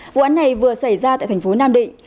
vụ án này vừa xảy ra tại thành phố nam định